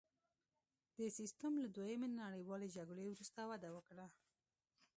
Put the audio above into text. دې سیستم له دویمې نړیوالې جګړې وروسته وده وکړه